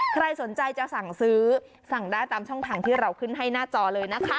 ใครสนใจจะสั่งซื้อสั่งได้ตามช่องทางที่เราขึ้นให้หน้าจอเลยนะคะ